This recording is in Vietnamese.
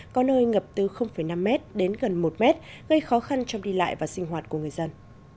có nơi ngập từ năm m đến gần một mét gây khó khăn trong đi lại và sinh hoạt của người dân